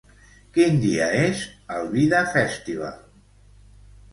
Quin dia és el Vida Festival?